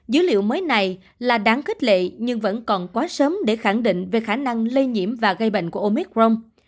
dữ liệu mới này là đáng khích lệ nhưng vẫn còn quá sớm để khẳng định về khả năng lây nhiễm và gây bệnh của omicron